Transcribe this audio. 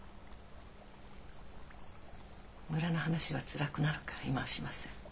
村の話はつらくなるから今はしません。